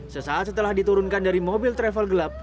sesaat setelah diturunkan dari mobil travel gelap